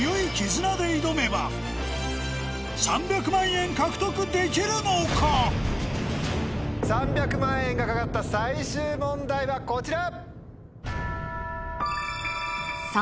親子で３００万円が懸かった最終問題はこちら！